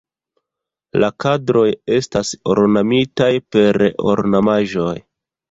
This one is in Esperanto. La kadroj estas ornamitaj per ornamaĵoj.